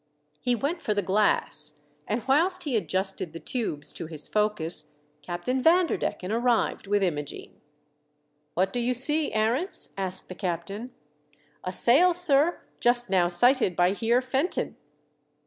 He went for the glass, and whilst he adjusted WE SIGHT A SAIL. 349 the tubes to his focus Captain Vanderdecken arrived with Imogene. " What do you see, Arents ?" asked tne captain. " A sail, sir, just now sighted by Heer Fenton."